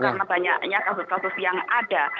karena banyaknya kasus kasus yang ada